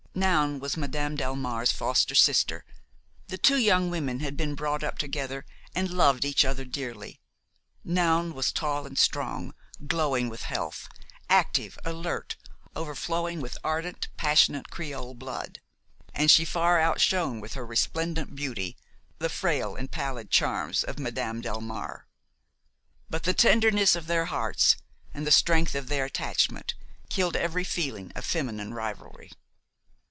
Noun was Madame Delmare's foster sister; the two young women had been brought up together and loved each other dearly. Noun was tall and strong, glowing with health, active, alert, overflowing with ardent, passionate creole blood; and she far outshone with her resplendent beauty the frail and pallid charms of Madame Delmare; but the tenderness of their hearts and the strength of their attachment killed every feeling of feminine rivalry.